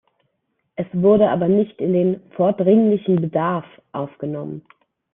Es wurde aber nicht in den "vordringlichen Bedarf" aufgenommen.